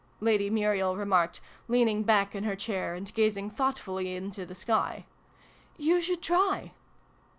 Lady Muriel remarked, leaning back in her chair, and gazing thoughtfully into the sky. "You should try."